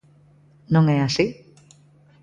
¿Non é así?